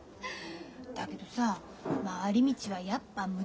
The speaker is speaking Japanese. だけどさ回り道はやっぱ無駄！